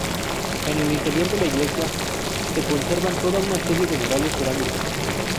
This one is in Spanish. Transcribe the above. En el interior de la Iglesia se conservan toda una serie de murales cerámicos.